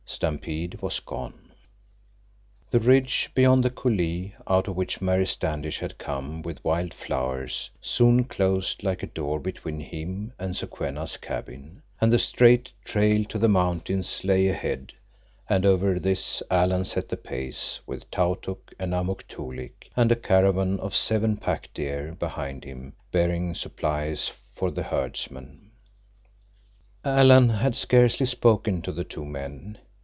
Stampede was gone. The ridge beyond the coulée out of which Mary Standish had come with wild flowers soon closed like a door between him and Sokwenna's cabin, and the straight trail to the mountains lay ahead, and over this Alan set the pace, with Tautuk and Amuk Toolik and a caravan of seven pack deer behind him, bearing supplies for the herdsmen. Alan had scarcely spoken to the two men.